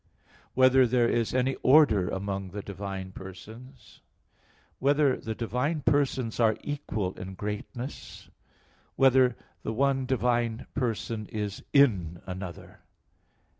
(3) Whether there is any order among the divine persons? (4) Whether the divine persons are equal in greatness? (5) Whether the one divine person is in another?